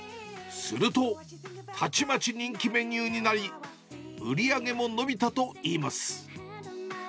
すると、たちまち人気メニューになり、売り上げも伸びたといいます。